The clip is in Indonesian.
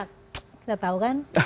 kita tahu kan